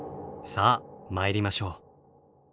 さあ参りましょう。